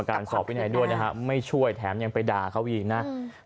น์มันกรรมการสอบไว้ไหนด้วยไม่ช่วยแถมยังไปด่าเขาอีกนะ